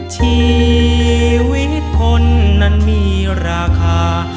ชีวิตคนนั้นมีราคา